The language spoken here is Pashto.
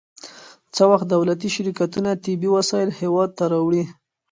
څه وخت دولتي شرکتونه طبي وسایل هیواد ته راوړي؟